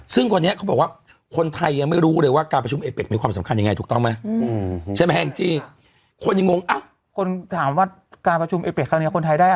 ซึ่งวันนี้เขาบอกว่าคนไทยยังไม่รู้เลยว่าการประชุมเอ็ดเป็กมีความสำคัญยังไง